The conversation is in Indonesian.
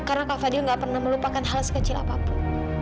karena kak fadil gak pernah melupakan hal sekecil apapun